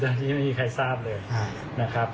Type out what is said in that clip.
เจ้าหน้าที่ไม่มีใครทราบเลยนะครับ